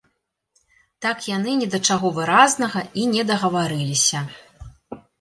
Так яны ні да чаго выразнага і не дагаварыліся.